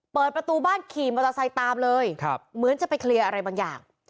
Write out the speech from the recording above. เปิดประตูบ้านขี่มอเตอร์ไซค์ตามเลยเหมือนจะไปเคลียร์อะไรบางอย่าง